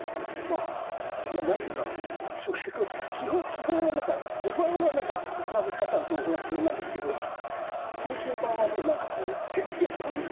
まあ何て言うか基本は何か序盤は何か歩がぶつかったら同歩が基本なんですけど中終盤はもう何かこう手抜きが基本ですかね。